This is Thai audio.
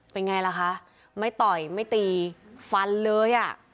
เป็นอย่างไรคะไม่ต่อยไม่ตีฟันเลย